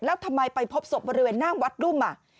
แล้วทำไมไปพบศพบริเวณหน้าวัดรุ่ม